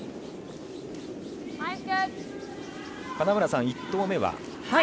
金村さん、１投目は？